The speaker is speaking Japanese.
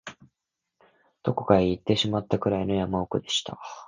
どこかへ行ってしまったくらいの山奥でした